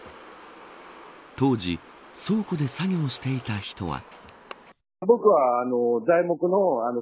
当時、倉庫で作業していた人は。